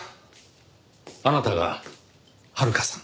あなたが遥香さん。